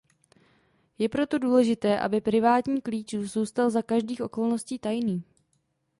Je proto důležité aby privátní klíč zůstal za každých okolností tajný.